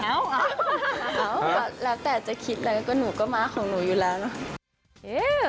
เอาแล้วแต่จะคิดอะไรก็หนูก็มาของหนูอยู่แล้วเนอะ